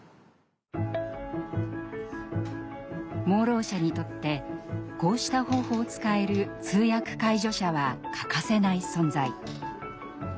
盲ろう者にとってこうした方法を使える通訳・介助者は欠かせない存在。